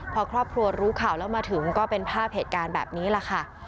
พอครอบครัวรู้ข่าวแล้วมาถึงก็เป็นภาพเหตุการณ์แบบนี้แหละค่ะ